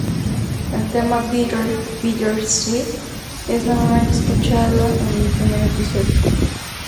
El tema "Bitter Bitter Sweet", es nuevamente escuchado en el primer episodio.